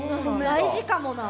大事かもな。